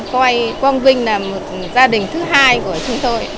coi quang vinh là một gia đình thứ hai của chúng tôi